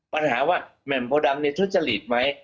ปัญหาว่าแหม่มโพดำเนี่ยทุจริตไหม